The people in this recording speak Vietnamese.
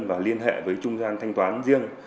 và liên hệ với trung gian thanh toán riêng